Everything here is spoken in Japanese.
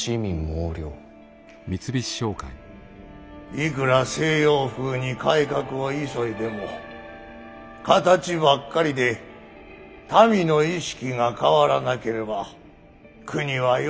いくら西洋風に改革を急いでも形ばっかりで民の意識が変わらなければ国は弱くなるばかり。